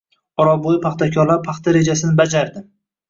Orolbӯyi paxtakorlari paxta rejasini bajarding